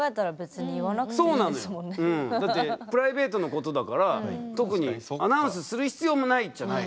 そうなのよだってプライベートのことだから特にアナウンスする必要もないっちゃない。